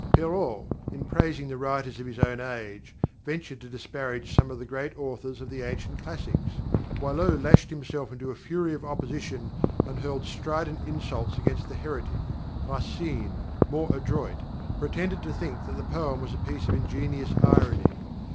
Perrault, in praising the writers of his own age, ventured to disparage some of the great authors of the ancient classics. Boileau lashed himself into a fury of opposition and hurled strident insults against the heretic. Racine, more adroit, pretended to think that the poem was a piece of ingenious irony.